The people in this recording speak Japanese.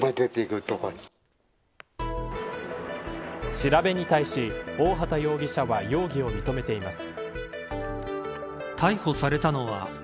調べに対し、大畑容疑者は容疑を認めています。